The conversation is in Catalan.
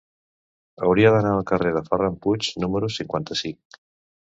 Hauria d'anar al carrer de Ferran Puig número cinquanta-cinc.